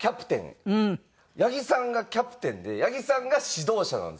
八木さんがキャプテンで八木さんが指導者なんですよ。